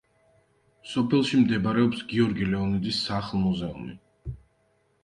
სოფელში მდებარეობს გიორგი ლეონიძის სახლ-მუზეუმი.